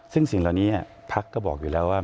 ซึ่งสิ่งเหล่านี้พักก็บอกอยู่แล้วว่า